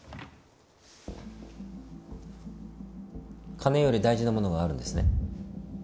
金より大事なものがあるんですね？